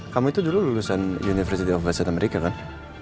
kamu itu dulu lulusan university of west america kan